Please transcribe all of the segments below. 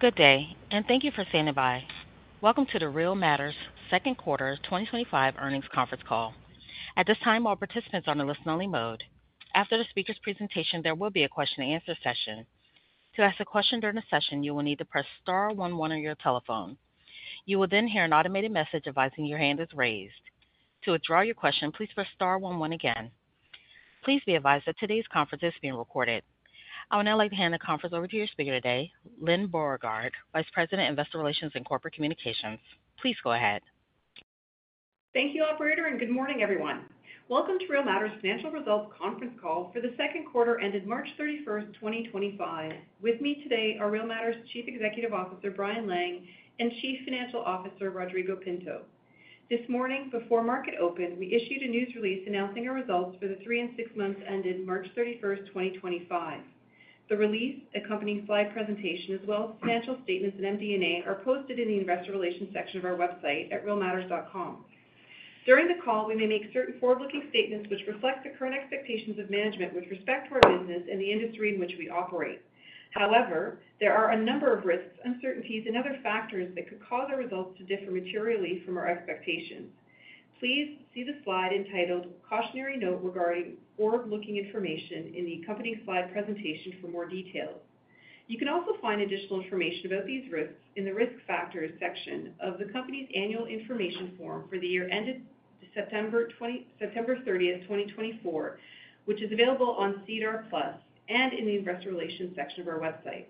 Good day and thank you for standing by. Welcome to the Real Matters second quarter 2025 earnings conference call. At this time all participants are in listen only mode. After the speaker's presentation, there will be a question and answer session. To ask a question during the session you will need to press star 11 on your telephone. You will then hear an automated message advising your hand is raised. To withdraw your question, please press star one-one again. Please be advised that today's conference is being recorded. I would now like to hand the conference over to your speaker today, Lyne Beauregard, Vice President, Investor Relations and Corporate Communications. Please go ahead. Thank you, operator, and good morning everyone. Welcome to Real Matters Financial Results Conference call for the second quarter ended March 31, 2025. With me today are Real Matters Chief Executive Officer Brian Lang and Chief Financial Officer Rodrigo Pinto. This morning before market opened, we issued a news release announcing our results for the three and six months ended March 31, 2025. The release, accompanying slide presentation, as well as financial statements and MD&A, are posted in the Investor Relations section of our website at realmatters.com. During the call we may make certain forward-looking statements which reflect the current expectations of management with respect to our business and the industry in which we operate. However, there are a number of risks, uncertainties, and other factors that could cause our results to differ materially from our expectations. Please see the slide entitled Cautionary Note Regarding Forward-Looking Information in the accompanying slide presentation for more details. You can also find additional information about these risks in the Risk Factors section of the Company's Annual Information Form for the year ended September 30, 2024, which is available on SEDAR+ and in the Investor Relations section of our website.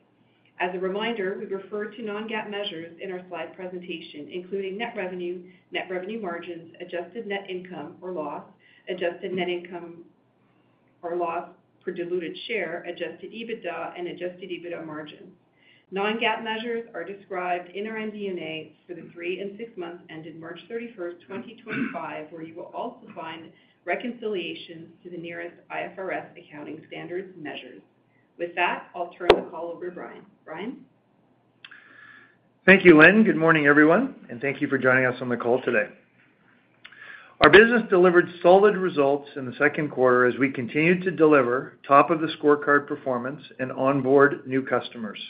As a reminder, we refer to non-GAAP measures in our slide presentation including Net Revenue, Net Revenue Margins, Adjusted Net Income or Loss, Adjusted Net Income or Loss per Diluted Share, Adjusted EBITDA, and Adjusted EBITDA Margin. Non-GAAP measures are described in our MD&A for the three and six months ended March 31, 2025, where you will also find reconciliations to the nearest IFRS accounting standards measures. With that, I'll turn the call over to Brian. Brian. Thank you, Lyne. Good morning, everyone, and thank you for joining us on the call today. Our business delivered solid results in the second quarter as we continued to deliver top of the scorecard performance and onboard new customers.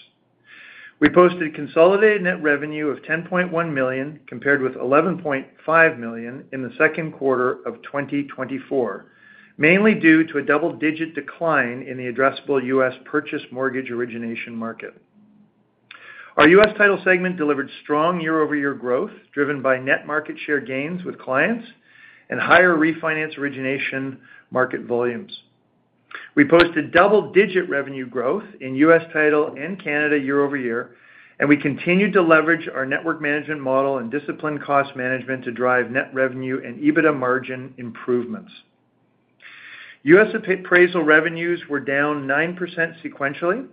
We posted Consolidated Net Revenue of $10.1 million compared with $11.5 million in the second quarter of 2024, mainly due to a double-digit decline in the addressable U.S. purchase mortgage origination market. Our U.S. Title segment delivered strong year-over-year growth driven by net market share gains with clients and higher refinance origination market volumes. We posted double-digit revenue growth in U.S. Title and Canada year-over-year, and we continued to leverage our network management model and disciplined cost management to drive Net Revenue and EBITDA Margin improvements. U.S. Appraisal revenues were down 9%. Sequentially,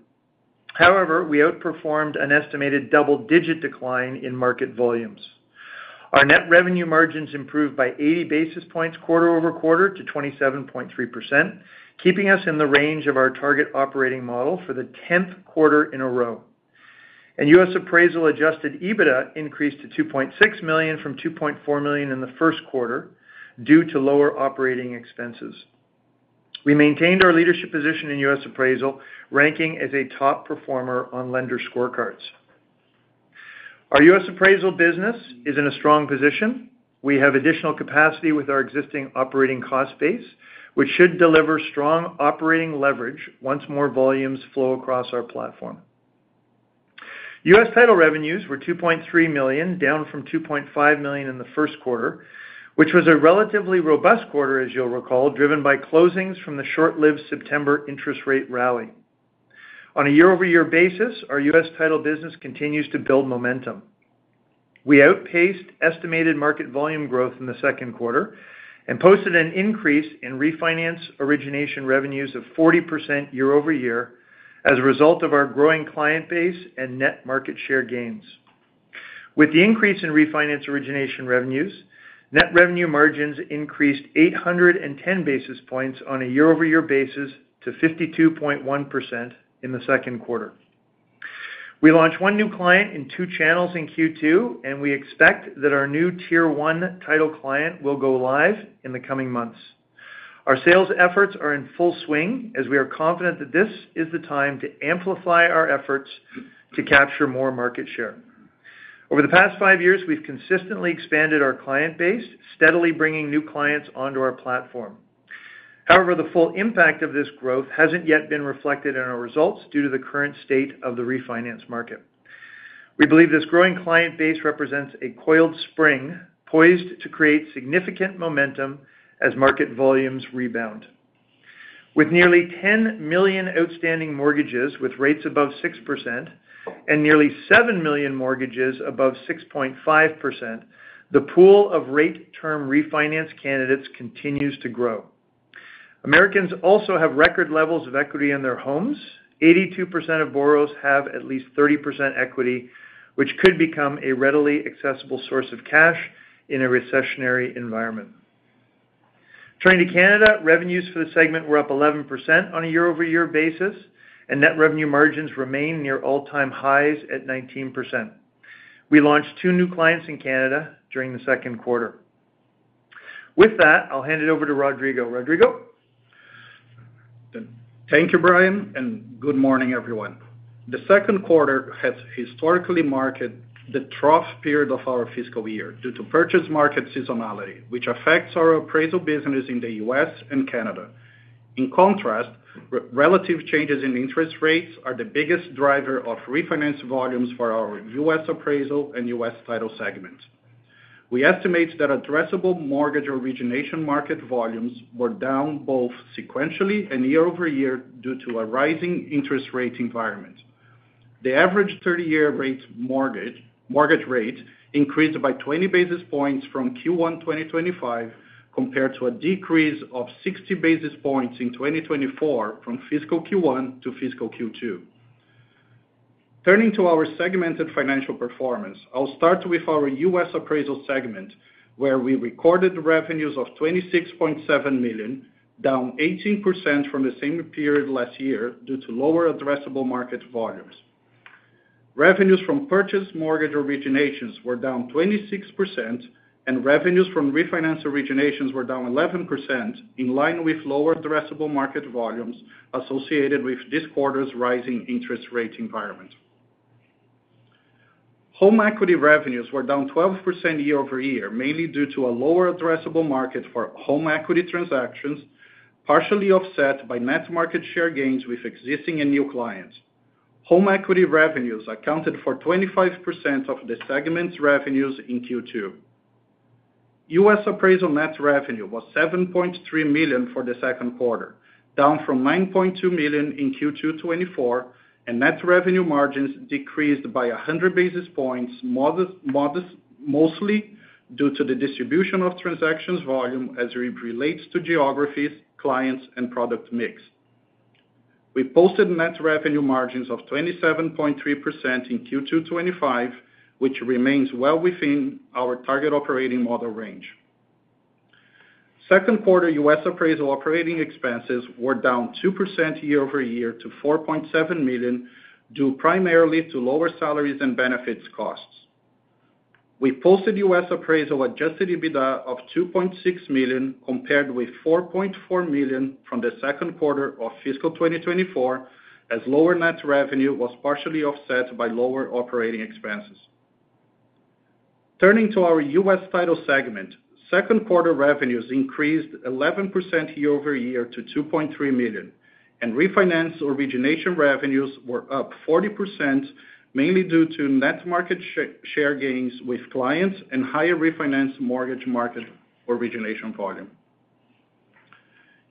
however, we outperformed an estimated double-digit decline in market volumes. Our Net Revenue Margins improved by 80 basis points quarter-over-quarter to 27.3%, keeping us in the range of our target operating model for the 10th quarter in a row and U.S. Appraisal Adjusted EBITDA increased to $2.6 million from $2.4 million in the first quarter due to lower operating expenses. We maintained our leadership position in U.S. Appraisal ranking as a top performer on lender scorecards. Our U.S. Appraisal business is in a strong position. We have additional capacity with our existing operating cost base which should deliver strong operating leverage once more volumes flow across our platform. U.S. Title revenues were $2.3 million, down from $2.5 million in the first quarter which was a relatively robust quarter as you'll recall, driven by closings from the short-lived September interest rate rally. On a year-over-year basis, our U.S. Title business continues to build momentum. We outpaced estimated market volume growth in the second quarter and posted an increase in refinance origination revenues of 40% year-over-year as a result of our growing client base and net market share gains. With the increase in refinance origination revenues, Net Revenue Margins increased 810 basis points on a year-over-year basis to 52.1% in the second quarter. We launched one new client in two channels in Q2 and we expect that our new tier one title client will go live in the coming months. Our sales efforts are in full swing as we are confident that this is the time to amplify our efforts to capture more market share. Over the past five years, we've consistently expanded our client base steadily bringing new clients onto our platform. However, the full impact of this growth hasn't yet been reflected in our results. Due to the current state of the refinance market, we believe this growing client base represents a coiled spring poised to create significant momentum as market volumes rebound. With nearly 10 million outstanding mortgages with rates above 6% and nearly 7 million mortgages above 6.5%, the pool of rate term refinance candidates continues to grow. Americans also have record levels of equity in their homes. 82% of borrowers have at least 30% equity, which could become a readily accessible source of cash in a recessionary environment. Turning to Canada, revenues for the segment were up 11% on a year-over-year basis and net revenue margins remain near all time highs at 19%. We launched two new clients in Canada during the second quarter. With that, I'll hand it over to Rodrigo. Rodrigo? Thank you, Brian, and good morning everyone. The second quarter has historically marked the trough period of our fiscal year due to purchase market seasonality, which affects our appraisal business in the U.S. and Canada. In contrast, relative changes in interest rates are the biggest driver of refinance volumes for our U.S. Appraisal and U.S. Title segments. We estimate that addressable mortgage origination market volumes were down both sequentially and year-over-year due to a rising interest rate environment. The average 30-year mortgage rate increased by 20 basis points from Q1 2025 compared to a decrease of 60 basis points in 2024 from fiscal Q1 to fiscal Q2. Turning to our segmented financial performance, I'll start with our U.S. Appraisal segment where we recorded revenues of $26.7 million, down 18% from the same period last year due to lower addressable market volumes. Revenues from purchase mortgage originations were down 26% and revenues from refinance originations were down 11% in line with lower addressable market volumes associated with this quarter's rising interest rate environment. Home equity revenues were down 12% year-over-year, mainly due to a lower addressable market for home equity transactions, partially offset by net market share gains with existing and new clients. Home equity revenues accounted for 25% of the segment's revenues in Q2. U.S. Appraisal Net Revenue was $7.3 million for the second quarter, down from $9.2 million in Q2 2024, and net revenue margins decreased by 100 basis points, mostly due to the distribution of transaction volume as it relates to geographies, clients, and product mix. We posted Net Revenue Margins of 27.3% in Q2 2025, which remains well within our target operating model range. Second quarter U.S. Appraisal operating expenses were down 2% year-over-year to $4.7 million due primarily to lower salaries and benefits costs. We posted U.S. Appraisal Adjusted EBITDA of $2.6 million compared with $4.4 million from the second quarter of fiscal 2024 as lower Net Revenue was partially offset by lower operating expenses. Turning to our U.S. Title segment, second quarter Revenues increased 11% year-over-year to $2.3 million and refinance origination revenues were up 40% mainly due to net market share gains with clients and higher refinance mortgage market origination volume.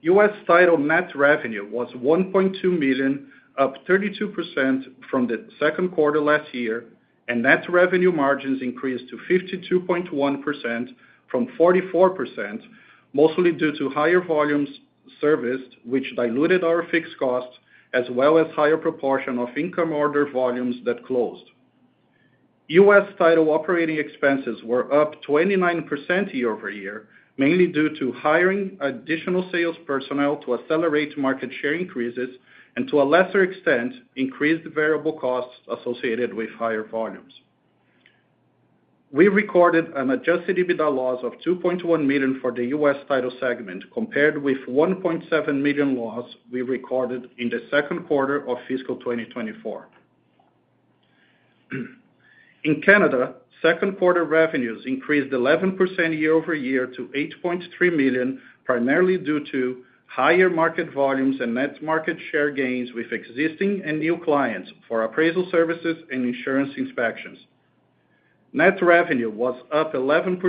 U.S. Title net revenue was $1.2 million, up 32% from the second quarter last year and net revenue margins increased to 52.1% from 44% mostly due to higher volumes serviced which diluted our fixed costs as well as higher proportion of income order volumes that closed. U.S. Title operating expenses were up 29% year-over-year mainly due to hiring additional sales personnel to accelerate market share increases and to a lesser extent increased variable costs associated with higher volumes. We recorded an Adjusted EBITDA loss of $2.1 million for the U.S. Title segment compared with a $1.7 million loss we recorded in the second quarter of fiscal 2024 in Canada. Second quarter revenues increased 11% year-over-year to $8.3 million primarily due to higher market volumes and net market share gains with existing and new clients for appraisal services and insurance inspections. Net Revenue was up 11%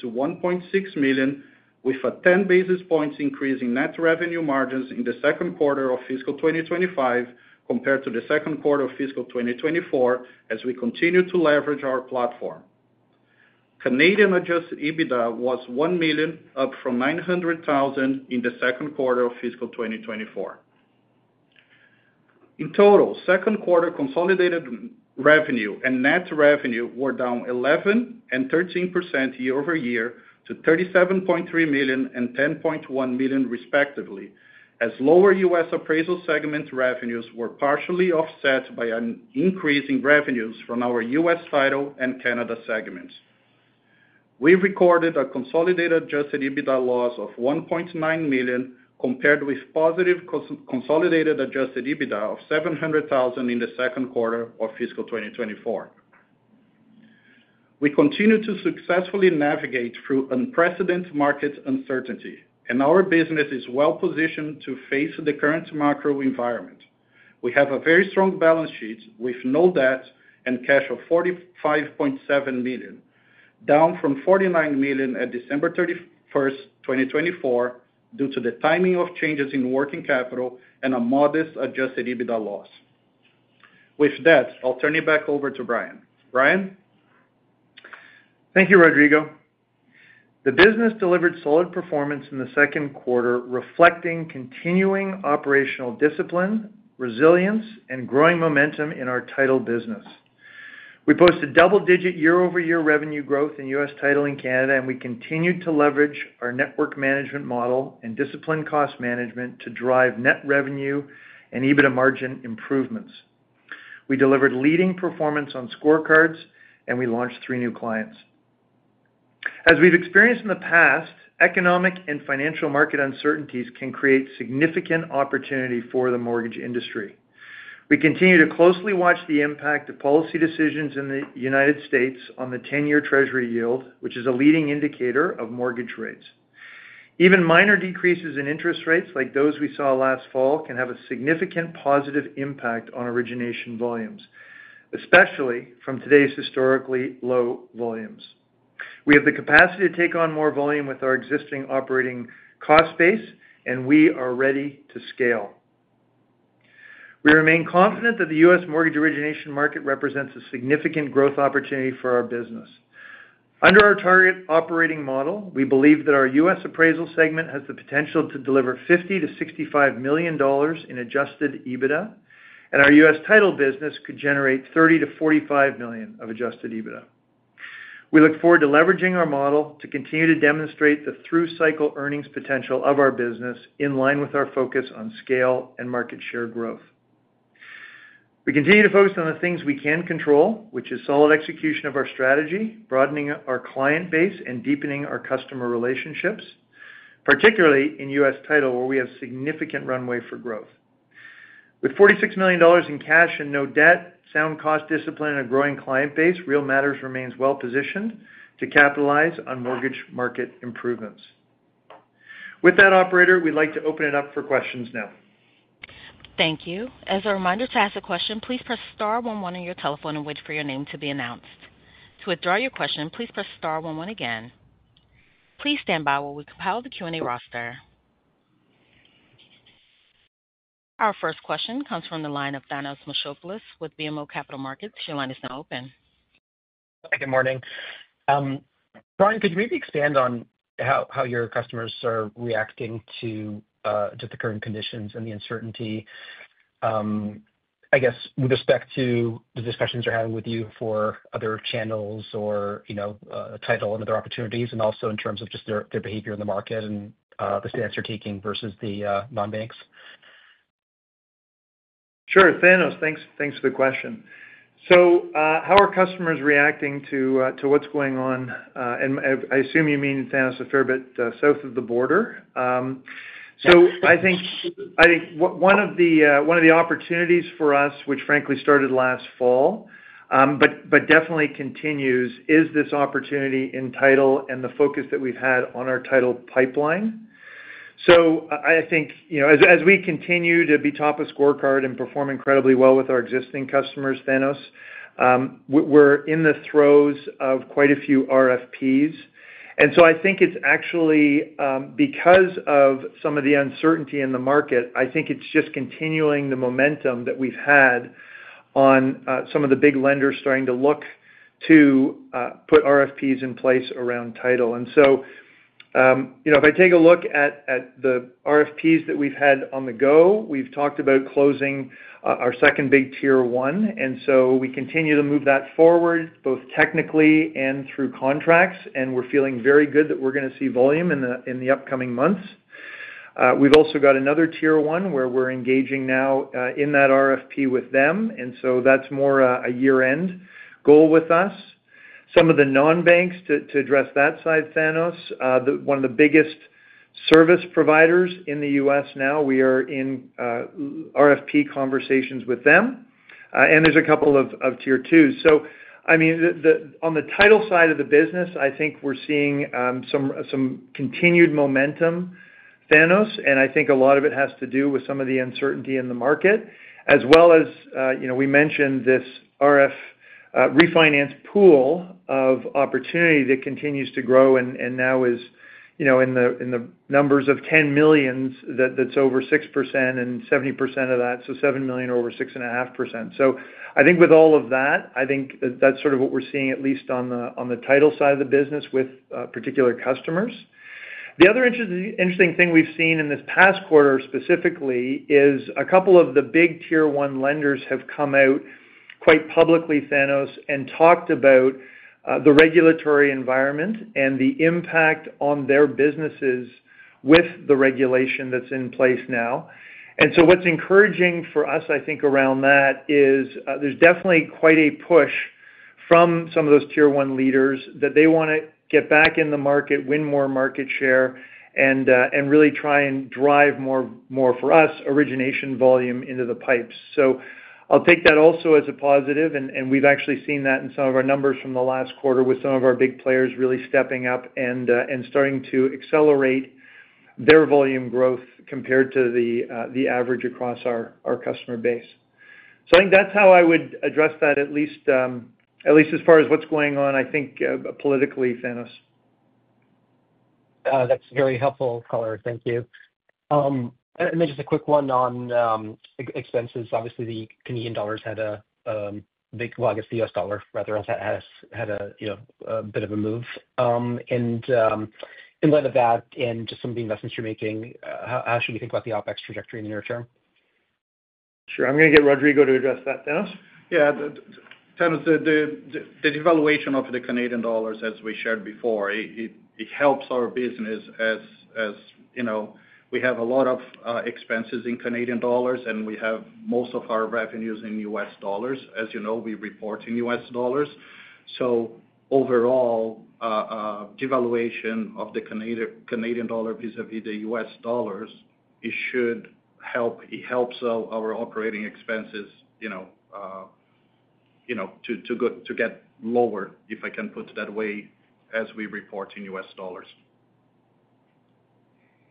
to $1.6 million with a 10 basis points increase in net revenue margins in the second quarter of fiscal 2025 compared to the second quarter of fiscal 2024 as we continue to leverage our platform. Canadian Adjusted EBITDA was $1 million, up from $900,000 in the second quarter of fiscal 2024. In total, second quarter Consolidated Revenue and Net Revenue were down 11% and 13% year-over-year to $37.3 million and $10.1 million respectively as lower U.S. Appraisal segment revenues were partially offset by an increase in revenues from our U.S. Title and Canada segments. We recorded a Consolidated Adjusted EBITDA loss of $1.9 million compared with positive Consolidated Adjusted EBITDA of $700,000 in the second quarter of fiscal 2024. We continue to successfully navigate through unprecedented market uncertainty, and our business is well positioned to face the current macro environment. We have a very strong balance sheet with no debt and cash of $45.7 million, down from $49 million at December 31, 2024, due to the timing of changes in working capital and a modest Adjusted EBITDA loss. With that, I'll turn it back over to Brian. Brian? Thank you, Rodrigo. The business delivered solid performance in the second quarter reflecting continuing operational discipline, resilience, and growing momentum in our title business. We posted double-digit year-over-year revenue growth in U.S. Title in Canada, and we continued to leverage our network management model and disciplined cost management to drive net revenue and EBITDA margin improvements. We delivered leading performance on scorecards, and we launched three new clients. As we have experienced in the past, economic and financial market uncertainties can create significant opportunity for the mortgage industry. We continue to closely watch the impact of policy decisions in the United States on the 10-year treasury yield, which is a leading indicator of mortgage rates. Even minor decreases in interest rates like those we saw last fall can have a significant positive impact on origination volumes, especially from today's historically low volumes. We have the capacity to take on more volume with our existing operating cost base and we are ready to scale. We remain confident that the U.S. mortgage origination market represents a significant growth opportunity for our business. Under our target operating model, we believe that our U.S. Appraisal segment has the potential to deliver $50 million-$65 million in Adjusted EBITDA and our U.S. Title business could generate $30 million-$45 million of Adjusted EBITDA. We look forward to leveraging our model to continue to demonstrate the through cycle earnings potential of our business. In line with our focus on scale and market share growth, we continue to focus on the things we can control, which is solid execution of our strategy, broadening our client base and deepening our customer relationships, particularly in U.S. Title where we have significant runway for growth. With $46 million in cash and no debt, sound cost discipline and a growing client base, Real Matters remains well positioned to capitalize on mortgage market improvements. With that, operator, we'd like to open it up for questions now. Thank you. As a reminder to ask a question, please press star one-one on your telephone and wait for your name to be announced. To withdraw your question, please press star one-one again. Please stand by while we compile the Q&A roster. Our first question comes from the line of Thanos Moschopoulos with BMO Capital Markets. Your line is now open. Good morning, Brian. Could you maybe expand on how your customers are reacting to just the current conditions and the uncertainty, I guess with respect to the discussions they're having with you for other channels or title and other opportunities and also in terms of just their behavior in the market and the stance you're taking versus the non-banks. Sure, Thanos, thanks for the question. How are customers reacting to what's going on? I assume you mean, Thanos, a fair bit south of the border. I think one of the opportunities for us, which frankly started last fall but definitely continues, is this opportunity in title and the focus that we've had on our title pipeline. I think as we continue to be top of scorecard and perform incredibly well with our existing customers, Thanos, we're in the throes of quite a few RFPs, and I think it's actually because of some of the uncertainty in the market. I think it's just continuing the momentum that we've had on some of the big lenders starting to look to put RFPs in place around title. If I take a look at the RFPs that we've had on the go, we've talked about closing our second big tier one and we continue to move that forward both technically and through contracts. We're feeling very good that we're going to see volume in the upcoming months. We've also got another tier one where we're engaging now in that RFP with them. That's more a year end goal with us, some of the non-banks to address that side. Thanos, one of the biggest service providers in the U.S., now we are in RFP conversations with them and there's a couple of tier two. I mean on the title side of the business I think we're seeing some continued momentum, Thanos, and I think a lot of it has to do with some of the uncertainty in the market as well. As we mentioned, this refinance pool of opportunity that continues to grow and now is in the numbers of 10 million, that's over 6% and 70% of that. So 7 million or over 6.5%. I think with all of that, I think that's sort of what we're seeing at least on the title side of the business with particular customers. The other interesting thing we've seen in this past quarter specifically is a couple of the big tier one lenders have come out quite publicly, Thanos, and talked about the regulatory environment and the impact on their businesses with the regulation that's in place now. What is encouraging for us, I think, around that is there is definitely quite a push from some of those tier one leaders that they want to get back in the market, win more market share, and really try and drive more U.S. origination volume into the pipes. I will take that also as a positive, and we have actually seen that in some of our numbers from the last quarter, with some of our big players really stepping up and starting to accelerate their volume growth compared to the average across our customer base. I think that is how I would address that, at least as far as what is going on. I think politically, Thanos. That's very helpful color. Thank you. Just a quick one on expenses. Obviously, the Canadian dollars had a big. I guess the U.S. Dollar rather had a bit of a move. In light of that and just some of the investments you're making, how should we think about the OpEx trajectory. In the near term? Sure. I'm going to get Rodrigo to address that. Thanos? Yeah. The devaluation of the Canadian dollars, as we shared before, it helps our business. As you know, we have a lot of expenses in Canadian dollars and we have most of our revenues in U.S. Dollars. As you know, we report in U.S. Dollars. Overall, devaluation of the Canadian dollar vis a vis the U.S. Dollars, it should help. It helps our operating expenses, you know, to get lower, if I can put that way. As we report in U.S. Dollars.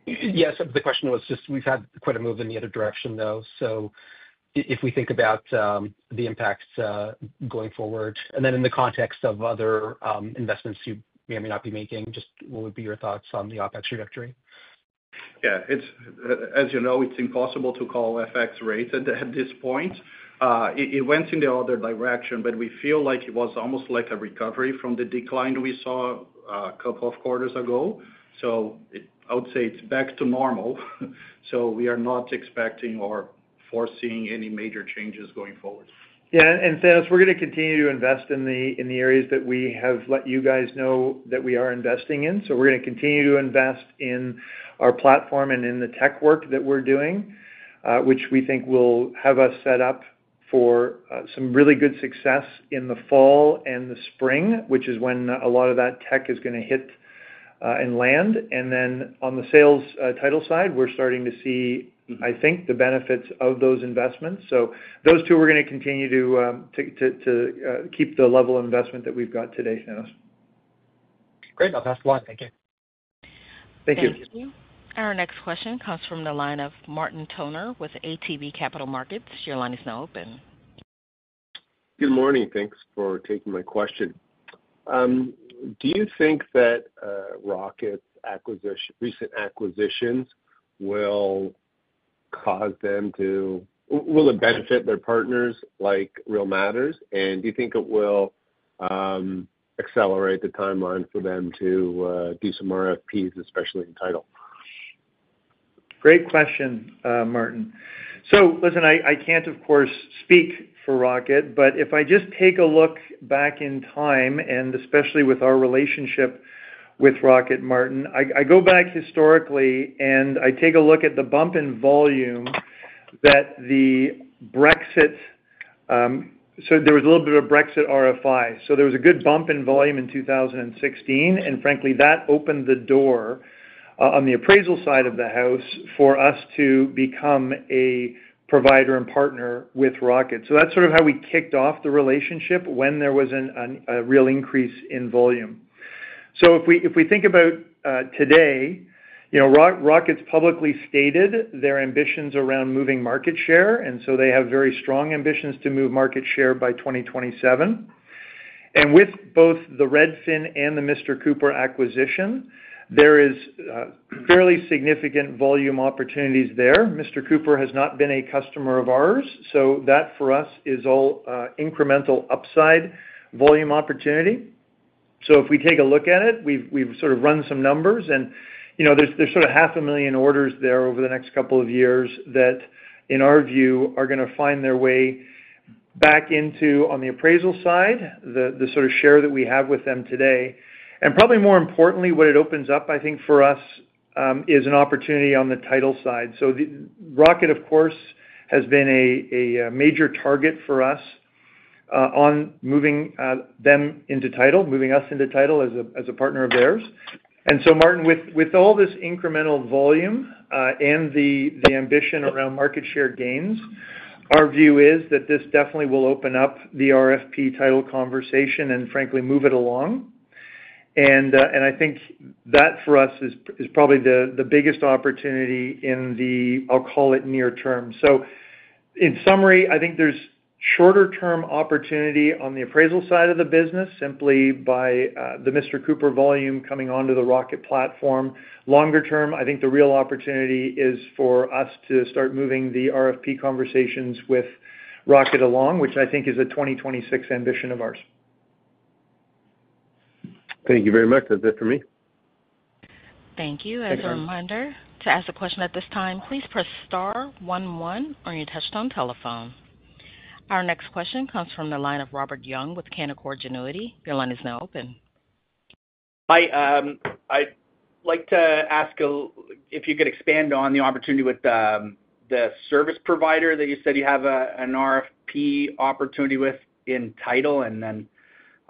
Yes, the question was just we've had quite a move in the other direction, though. If we think about the impacts going forward and then in the context of other investments you may or may not be making, just what would be. Your thoughts on the OpEx trajectory? Yeah, as you know, it's impossible to call FX rates at this point. It went in the other direction, but we feel like it was almost like a recovery from the decline we saw a couple of quarters ago. I would say it's back to normal. We are not expecting or foreseeing any major changes going forward. Yeah. Thanos, we're going to continue to invest in the areas that we have let you guys know that we are investing in. We're going to continue to invest in our platform and in the tech work that we're doing, which we think will have us set up for some really good success in the fall and the spring, which is when a lot of that tech is going to hit and land. On the sales title side, we're starting to see, I think, the benefits of those investments. Those two are going to continue to keep the level of investment that we've got today. Thanos. Great. I'll pass one. Thank you. Thank you. Our next question comes from the line of Martin Toner with ATB Capital Markets. Your line is now open. Good morning. Thanks for taking my question. Do you think that Rocket's recent acquisitions will cause them to, will it benefit their partners like Real Matters? And do you think it will accelerate the timeline for them to do some RFPs, especially in Title? Great question, Martin. Listen, I can't, of course, speak for Rocket, but if I just take a look back in time and especially with our relationship with Rocket, Martin, I go back historically and I take a look at the bump in volume that the Brexit, so there was a little bit of Brexit RFI. There was a good bump in volume in 2016. Frankly, that opened the door on the appraisal side of the house for us to become a provider and partner with Rocket. That's sort of how we kicked off the relationship when there was a real increase in volume. If we think about today, Rocket's publicly stated their ambitions around moving market share, and they have very strong ambitions to move market share by 2027. With both the Redfin and the Mr. Cooper acquisition, there is fairly significant volume opportunities there. Mr. Cooper has not been a customer of ours. That for us is all incremental upside volume opportunity. If we take a look at it, we've sort of run some numbers and there's 500,000 orders there over the next couple of years that in our view are going to find their way back into, on the appraisal side, the sort of share that we have with them today. Probably more importantly, what it opens up, I think for us is an opportunity on the title side. Rocket, of course, has been a major target for us on moving them into title, moving us into title as. A partner of theirs. Martin, with all this incremental volume and the ambition around market share gains, our view is that this definitely will open up the RFP title conversation and frankly move it along. I think that for us is probably the biggest opportunity in the, I'll call it, near term. In summary, I think there's shorter term opportunity on the appraisal side of the business simply by the Mr. Cooper volume coming onto the Rocket platform. Longer term, I think the real opportunity is for us to start moving the RFP conversations with Rocket along, which I think is a 2026 ambition of ours. Thank you very much. That's it for me. Thank you. As a reminder to ask a question at this time, please press star 11 on your touch-tone telephone. Our next question comes from the line of Robert Young with Canaccord Genuity. Your line is now open. Hi, I'd like to ask if you could expand on the opportunity with the service provider that you said you have an RFP opportunity with in title.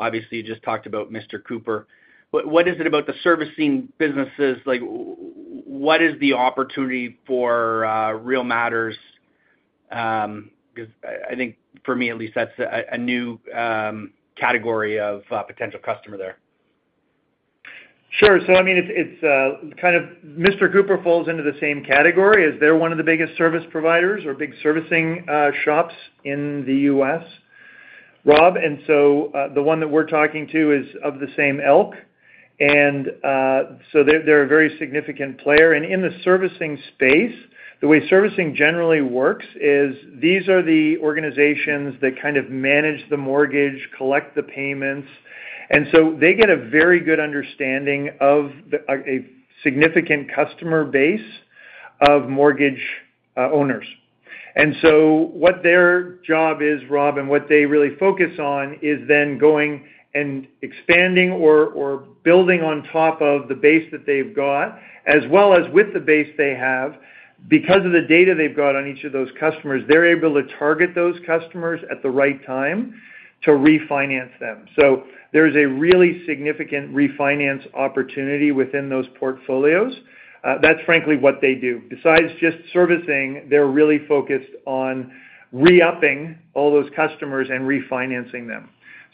Obviously you just talked about Mr. Cooper. What is it about the servicing businesses? Like, what is the opportunity for Real Matters? I think for me at least that's a new category of potential customer there. Sure. I mean, it's kind of Mr. Cooper falls into the same category as they're one of the biggest service providers or big servicing shops in the U.S., Rob. The one that we're talking to is of the same ilk. They're a very significant player. In the servicing space, the way servicing generally works is these are the organizations that kind of manage the mortgage, collect the payments. They get a very good understanding of a significant customer base of mortgage owners. What their job is, Rob, and what they really focus on is then going and expanding or building on top of the base that they've got as well as with the base they have. Because of the data they've got on each of those customers, they're able to target those customers at the right time to refinance them. There is a really significant refinance opportunity within those portfolios. That's frankly what they do besides just servicing. They're really focused on re-upping all those customers and refinancing them.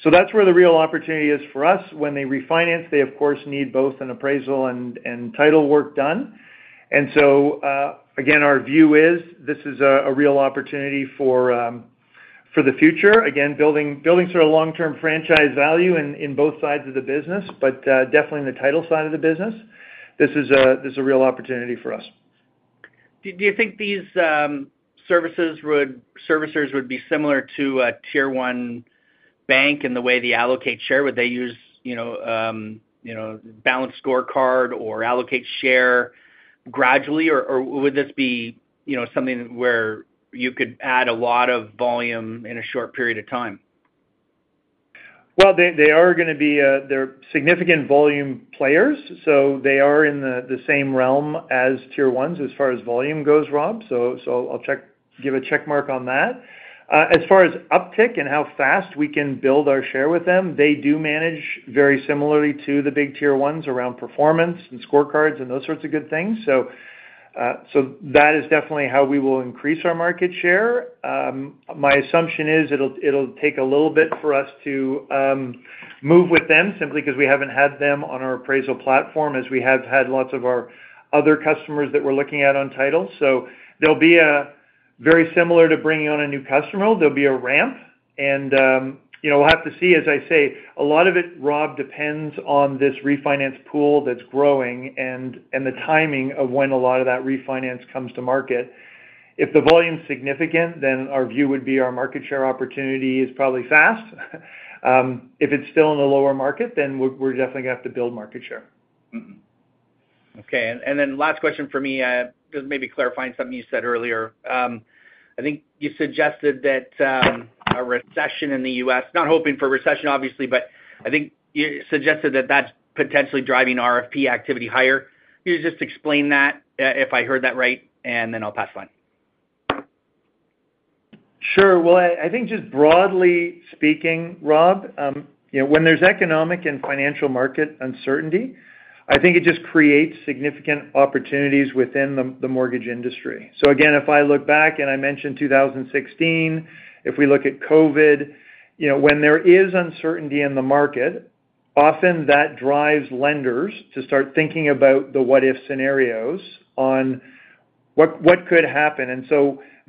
That's where the real opportunity is for us. When they refinance, they of course need both an appraisal and title work done. Again, our view is this is a real opportunity for the future. Again, building sort of long-term franchise value in both sides of the business. Definitely in the title side of the business, this is a real opportunity for us. Do you think these services would be similar to a tier one bank in the way they allocate share? Would they use balance scorecard or allocate share gradually, or would this be something where you could add a lot of volume in a short period of time? They are going to be, they're significant volume players. They are in the same realm as tier 1s as far as volume goes, Rob. I'll give a check mark on that as far as uptick and how fast we can build our share with them. They do manage very similarly to the big tier 1s around performance scorecards and those sorts of good things. That is definitely how we will increase our market share. My assumption is it'll take a little bit for us to move with them simply because we haven't had them on our appraisal platform as we have had lots of our other customers that we're looking at on title. They'll be very similar to bringing on a new customer. There'll be a ramp and we'll have to see, as I say, a lot of it, Rob, depends on this refinance pool that's growing and the timing of when a lot of that refinance comes to market. If the volume is significant, then our view would be our market share opportunity is probably fast. If it's still in the lower market, then we're definitely going to have to build market share. Okay, and then last question for me, just maybe clarifying something you said earlier. I think you suggested that a recession in the U.S., not hoping for recession, obviously, but I think you suggested that that's potentially driving RFP activity higher. Could you just explain that? If I heard that right and then I'll pass on? Sure. I think just broadly speaking, Rob, when there's economic and financial market uncertainty, I think it just creates significant opportunities within the mortgage industry. Again, if I look back and I mentioned 2016, if we look at COVID, when there is uncertainty in the market, often that drives lenders to start thinking about the what if scenarios on what could happen.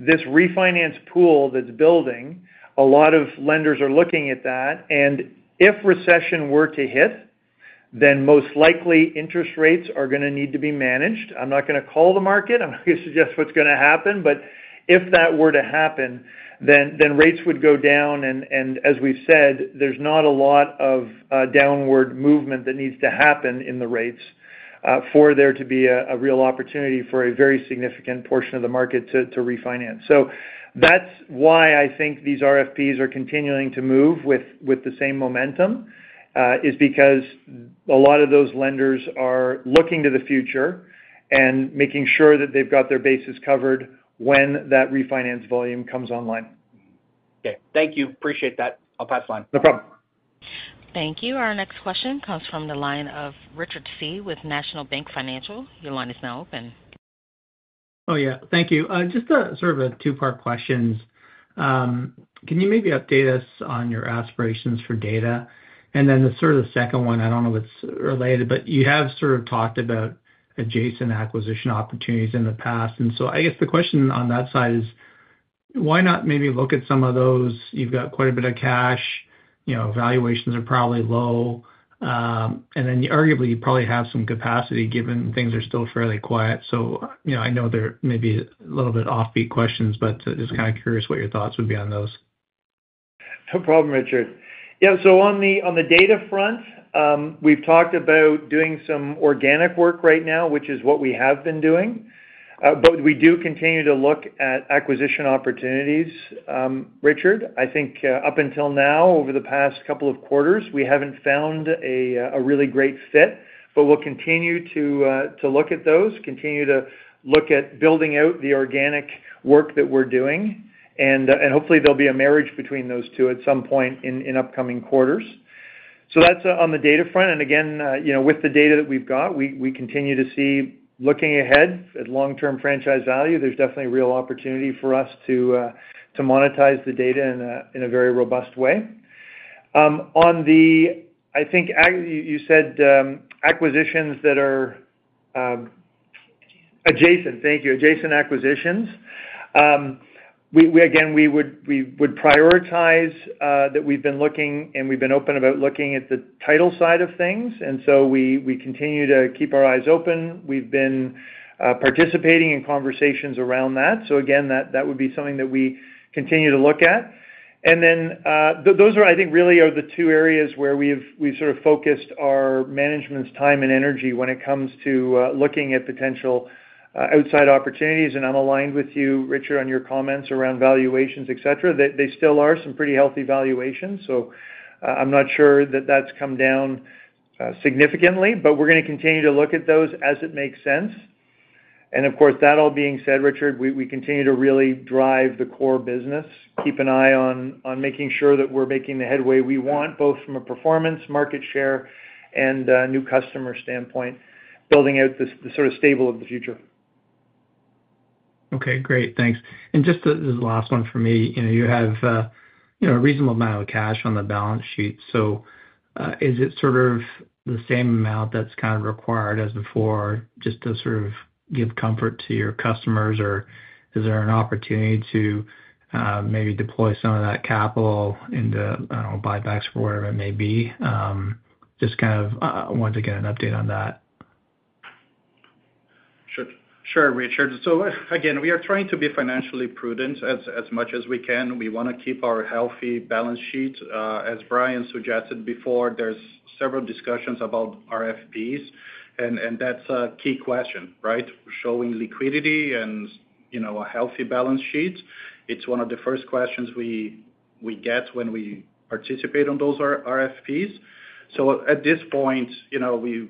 This refinance pool that's building, a lot of lenders are looking at that. If recession were to hit, then most likely interest rates are going to need to be managed. I'm not going to call the market, I'm not going to suggest what's going to happen, but if that were to happen, then rates would go down. As we said, there is not a lot of downward movement that needs to happen in the rates for there to be a real opportunity for a very significant portion of the market to refinance. That is why I think these RFPs are continuing to move with the same momentum, because a lot of those lenders are looking to the future and making sure that they have got their bases covered when that refinance volume comes online. Okay, thank you. Appreciate that. I'll pass mine. No problem. Thank you. Our next question comes from the line of Richard Tse with National Bank Financial. Your line is now open. Oh yeah, thank you. Just sort of a two part question. Can you maybe update us on your aspirations for data? The sort of second one, I do not know if it is related, but you have sort of talked about adjacent acquisition opportunities in the past. I guess the question on that side is why not maybe look at some of those. You have got quite a bit of cash, valuations are probably low, and arguably you probably have some capacity given things are still fairly quiet. I know they may be a little bit offbeat questions, but just kind of curious what your thoughts would be on those. No problem, Richard. Yeah, on the data front, we've talked about doing some organic work right now, which is what we have been doing, but we do continue to look at acquisition opportunities, Richard. I think up until now, over the past couple of quarters, we haven't found a really great fit, but we'll continue to look at those, continue to look at building out the organic work that we're doing and hopefully there'll be a marriage between those two at some point in upcoming quarters. That's on the data front. Again, with the data that we've got, we continue to see looking ahead at long term franchise value. There's definitely real opportunity for us to monetize the data in a very robust way. I think you said acquisitions that are. Adjacent. Thank you. Adjacent acquisitions. Again, we would prioritize that. We've been looking and we've been open about looking at the title side of things. We continue to keep our eyes open. We've been participating in conversations around that. That would be something that we continue to look at. Those are, I think, really the two areas where we sort of focused our management's time and energy when it comes to looking at potential outside opportunities. I'm aligned with you, Richard, on your comments around valuations, et cetera. They still are some pretty healthy valuations, so I'm not sure that that's come down significantly, but we're going to continue to look at those as it makes sense. Of course, that all being said, Richard, we continue to really drive the core business, keep an eye on making sure that we're making the headway we want, both from a performance, market share and new customer standpoint, building out the sort of stable of the future. Okay, great, thanks. Just as the last one for me, you have a reasonable amount of cash on the balance sheet. Is it sort of the same amount that's kind of required as before just to sort of give comfort to your customers, or is there an opportunity to maybe deploy some of that capital into buybacks or whatever it may be? Just kind of want to get an update on that. Sure, Richard. Again, we are trying to be financially prudent as much as we can. We want to keep our healthy balance sheet. As Brian suggested before, there are several discussions about RFPs, and that is a key question, right? Showing liquidity and, you know, a healthy balance sheet. It is one of the first questions we get when we participate on those RFPs. At this point, we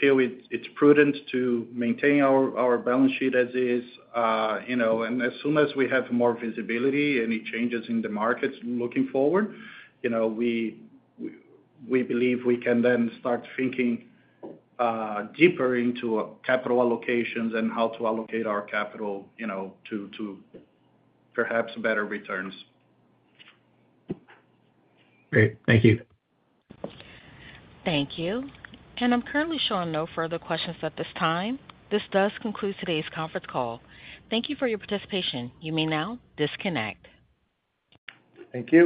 feel it is prudent to maintain our balance sheet as is and as soon as we have more visibility, any changes in the markets looking forward. We believe. We can then start thinking deeper into capital allocations and how to allocate our capital to perhaps better returns. Great. Thank you. Thank you. I am currently showing no further questions at this time. This does conclude today's conference call. Thank you for your participation. You may now disconnect. Thank you.